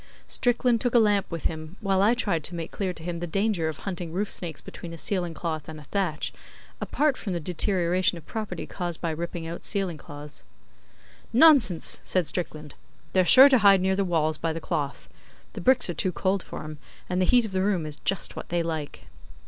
Strickland took a lamp with him, while I tried to make clear to him the danger of hunting roof snakes between a ceiling cloth and a thatch, apart from the deterioration of property caused by ripping out ceiling cloths. 'Nonsense!' said Strickland. 'They're sure to hide near the walls by the cloth. The bricks are too cold for 'em, and the heat of the room is just what they like.